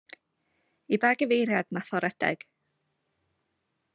I ba gyfeiriad nath o redeg.